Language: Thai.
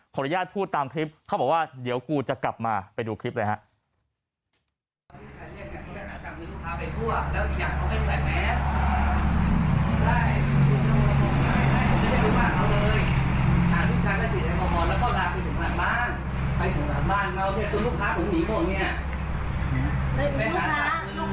อนุญาตพูดตามคลิปเขาบอกว่าเดี๋ยวกูจะกลับมาไปดูคลิปเลยครับ